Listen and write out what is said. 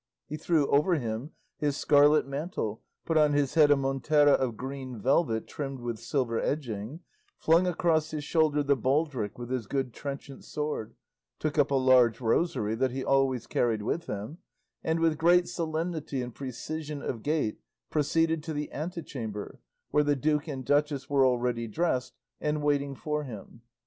He threw over him his scarlet mantle, put on his head a montera of green velvet trimmed with silver edging, flung across his shoulder the baldric with his good trenchant sword, took up a large rosary that he always carried with him, and with great solemnity and precision of gait proceeded to the antechamber where the duke and duchess were already dressed and waiting for him.